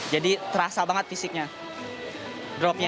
jadi terasa banget fisiknya dropnya